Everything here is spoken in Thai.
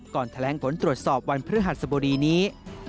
ก่อนแถลงผลตรวจสอบวันพฤหัสบดีนี้